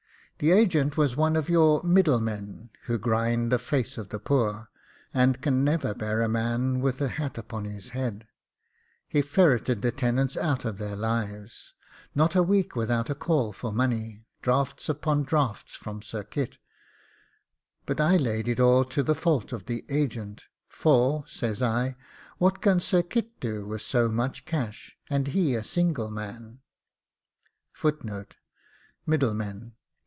The agent was one of your middlemen, who grind the face of the poor, and can never bear a man with a hat upon his head: he ferreted the tenants out of their lives; not a week without a call for money, drafts upon drafts from Sir Kit; but I laid it all to the fault of the agent; for, says I, what can Sir Kit do with so much cash, and he a single man? MIDDLEMEN.